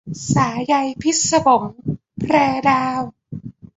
สายใยพิศวง - แพรดาว